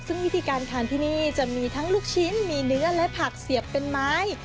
ซึ่งวิธีการทานที่นี่จะมีทั้งลูกชิ้นมีเนื้อและผักเสียบเป็นไม้